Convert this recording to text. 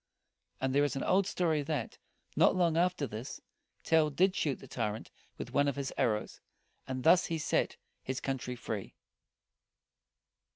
And there is an old story, that, not long after this, Tell did shoot the tyrant with one of his arrows; and thus he set his country free.